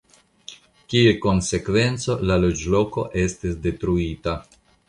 Kiel konsekvenco la loĝloko estis detruita.